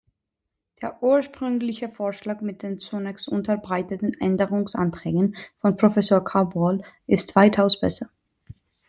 Der ursprüngliche Vorschlag mit den zunächst unterbreiteten Änderungsanträgen von Professor Cabrol ist weitaus besser.